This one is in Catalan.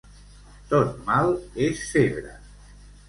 Tot mal és febre.